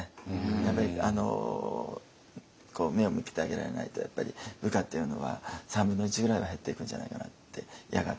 やっぱり目を向けてあげられないと部下っていうのは３分の１ぐらいは減っていくんじゃないかなってやがて。